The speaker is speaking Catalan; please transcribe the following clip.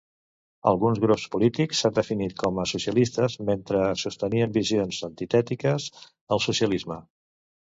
Alguns grups polítics s'han definit com a socialistes mentre sostenien visions antitètiques al socialisme.